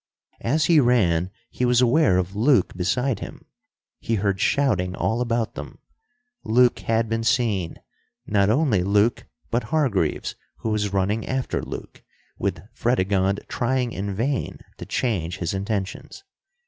As he ran, he was aware of Luke beside him. He heard shouting all about them. Luke had been seen. Not only Luke, but Hargreaves, who was running after Luke, with Fredegonde trying in vain to change his intentions.